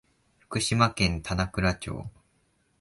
福島県棚倉町